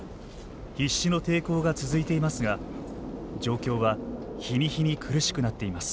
必死の抵抗が続いていますが状況は日に日に苦しくなっています。